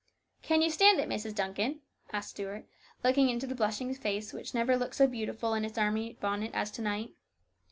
" Can you stand it, Mrs. Duncan ?" asked Stuart, looking into the blushing face which never looked so beautiful in its army bonnet as to night.